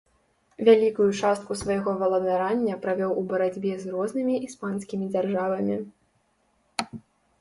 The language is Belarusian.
Вялікую частку свайго валадарання правёў у барацьбе з рознымі іспанскімі дзяржавамі.